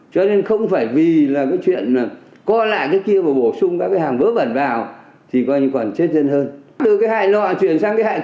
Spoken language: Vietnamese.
cho nên không phải vì là cái chuyện